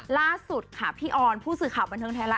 ล่าสุดค่ะพี่ออนผู้สื่อข่าวบันเทิงไทยรัฐ